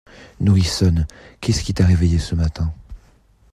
Nourrissonne, qu’est-ce qui t’a réveillée ce matin ?